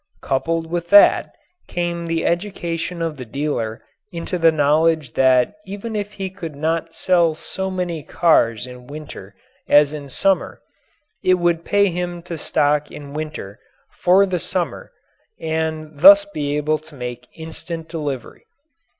Coupled with that came the education of the dealer into the knowledge that even if he could not sell so many cars in winter as in summer it would pay him to stock in winter for the summer and thus be able to make instant delivery.